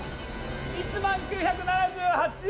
１万９７８円。